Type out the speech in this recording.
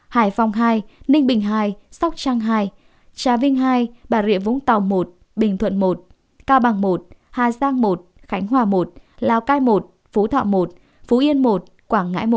hải phòng hai ninh bình ii sóc trăng hai trà vinh hai bà rịa vũng tàu một bình thuận một cao bằng một hà giang một khánh hòa một lào cai một phú thọ một phú yên một quảng ngãi một